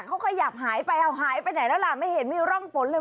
เขาขยับหายไปเอาหายไปไหนแล้วล่ะไม่เห็นมีร่องฝนเลย